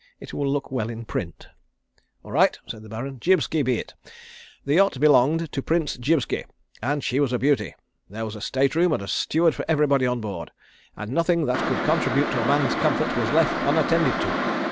It will look well in print." "All right," said the Baron, "Jibski be it. The yacht belonged to Prince Jibski, and she was a beauty. There was a stateroom and a steward for everybody on board, and nothing that could contribute to a man's comfort was left unattended to.